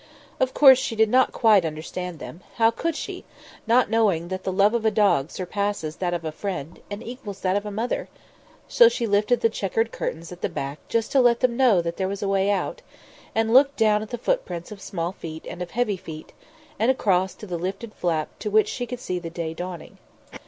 Of course she did not quite understand them how could she not knowing that the love of a dog surpasses that of a friend, and equals that of a mother? so she lifted the chequered curtains at the back just to let them know that there was a way out, and looked down at the footprints of small feet and of heavy feet, and across to the lifted flap through which she could see the day dawning.